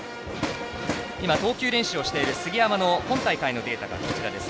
今、投球練習をしている杉山の今大会のデータです。